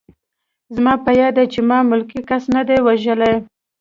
زما په یاد دي چې ما ملکي کس نه دی وژلی